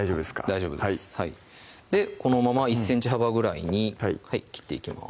大丈夫ですこのまま１ｃｍ幅ぐらいに切っていきます